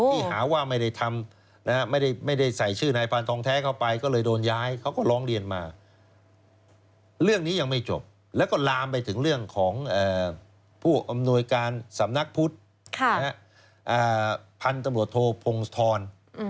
พันธุ์ตรวจโทษผงทร